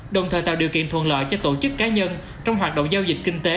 đồng thời tạo điều kiện thuận lợi cho tổ chức cá nhân trong hoạt động giao dịch kinh tế